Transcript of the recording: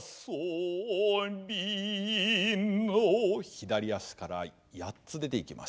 左足から８つ出ていきましょう。